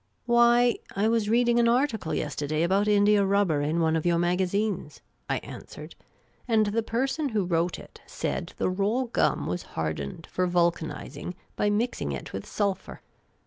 " Why, I was reading an article yesterday about india rubber in one of your magazines," I answered ;" and the person who wrote it said the raw gum was hardened for vulcanising by mixing it with sulphur.